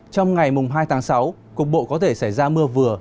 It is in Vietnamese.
trong ngày hai tháng sáu cục bộ có thể xảy ra mưa vừa